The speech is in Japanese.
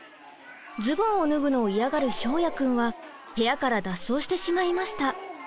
ズボンを脱ぐのを嫌がる翔也くんは部屋から脱走してしまいました。